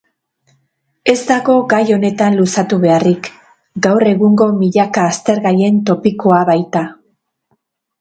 Ez dago gai honetan luzatu beharrik, gaur egungo milaka aztergaien topikoa baita.